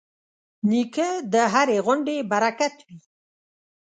نیکه د هرې غونډې برکت وي.